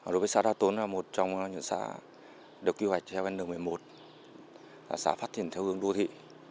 đối với xã đa tốn là một trong những xã được kỳ hoạch theo đường một mươi một xã phát triển theo hướng đô thị